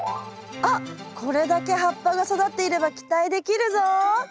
あっこれだけ葉っぱが育っていれば期待できるぞ。